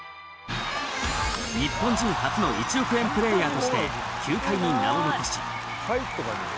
日本人初の１億円プレーヤーとして球界に名を残し。